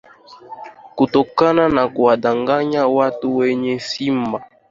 Kutokana na kuwadanganya watu wenye simba